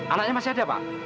anaknya masih ada pak